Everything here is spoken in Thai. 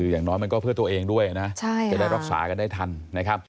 อย่างน้อยมันก็เพื่อตัวเองด้วยนะจะได้รักษากันได้ทันนะครับ